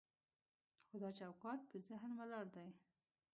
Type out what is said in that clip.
خو دا چوکاټ په ذهن ولاړ دی.